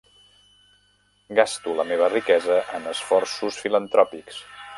Gasto la meva riquesa en esforços filantròpics.